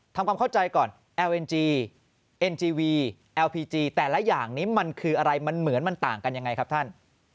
แต่ละอย่างนี้มันคืออะไรมันเหมือนมันต่างกันยังไงครับท่าน